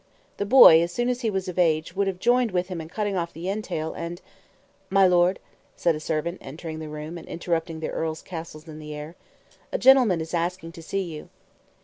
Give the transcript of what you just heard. The boy, as soon as he was of age, would have joined with him in cutting off the entail, and "My lord," said a servant entering the room and interrupting the earl's castles in the air, "a gentleman is asking to see you."